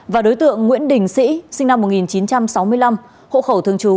và đối tượng nguyễn đình sĩ sinh năm một nghìn chín trăm sáu mươi năm hộ khẩu thường trú